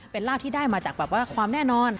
เป็นลาบที่ได้มาจากแบบว่าความแน่นอน